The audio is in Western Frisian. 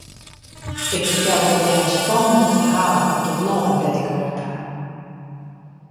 Ik fertelde de bern spannende ferhalen oer it lân dêr't ik wei kaam.